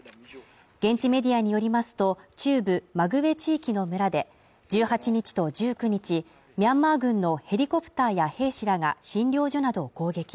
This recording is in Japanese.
現地メディアによりますと、中部マグウェ地域の村で１８日と１９日ミャンマー軍のヘリコプターや兵士らが、診療所などを攻撃。